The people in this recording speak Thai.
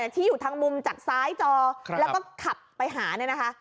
ที่อยู่ทางมุมจากซ้ายจอแล้วก็ขับไปหาเนี่ยนะคะ